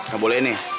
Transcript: gak boleh nih